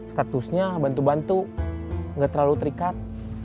statusnya bantu bantu nggak terlalu terikat